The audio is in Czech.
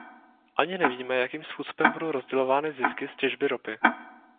Ani nevíme, jakým způsobem budou rozdělovány zisky z těžby ropy.